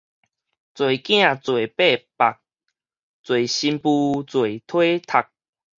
濟囝濟擘腹，濟新婦濟體剔